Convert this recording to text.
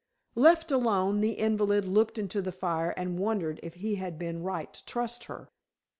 Left alone, the invalid looked into the fire, and wondered if he had been right to trust her.